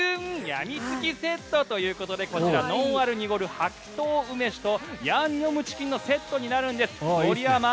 やみつきＳＥＴ」ということでこちらノンアルにごり白桃梅酒とヤンニョムチキンのセットになるんです。